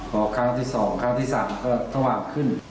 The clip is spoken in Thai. พอครั้งที่๒ครั้งที่๓ก็สว่างขึ้น